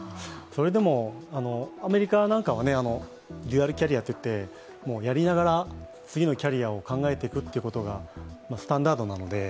それでも、アメリカなんかはデュアルキャリアといってやりながら次のキャリアを考えてくってことがスタンダードなので。